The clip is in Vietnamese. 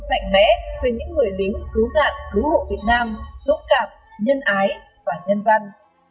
mạnh mẽ về những người lính cứu nạn cứu hộ việt nam dũng cảm nhân ái và nhân văn